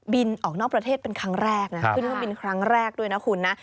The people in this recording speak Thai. บินออกนอกประเทศเป็นครั้งแรกนะครับเป็นครั้งแรกด้วยนะคุณนะ